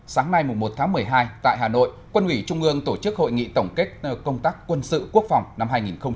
sáng nay một tháng một mươi hai tại hà nội quân ủy trung ương tổ chức hội nghị tổng kết công tác quân sự quốc phòng năm hai nghìn một mươi chín